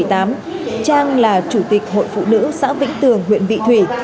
trang là chủ tịch hội phụ nữ xã vĩnh tường huyện vị thủy